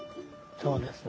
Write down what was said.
そうです。